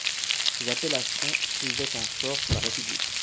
Ces appellations survivaient encore sous la République.